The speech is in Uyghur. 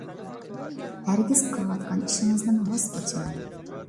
ھەرگىز قىلىۋاتقان ئىشىڭىزدىن ۋاز كەچمەڭ.